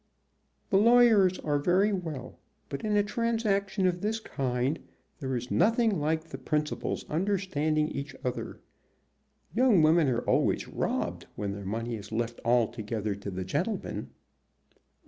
"The lawyers are very well; but in a transaction of this kind there is nothing like the principals understanding each other. Young women are always robbed when their money is left altogether to the gentlemen."